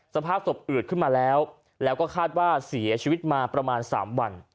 สภาพศพอืดขึ้นมาแล้วแล้วก็คาดว่าเสียชีวิตมาประมาณ๓วัน